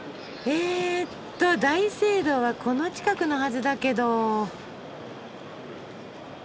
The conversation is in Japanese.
えっと大聖堂はこの近くのはずだけど。